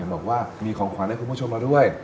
บอกว่ามีของขวัญให้คุณผู้ชมมาด้วย